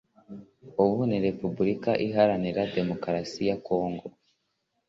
ubu ni Repubulika Iharanira Demokarasi ya Congo)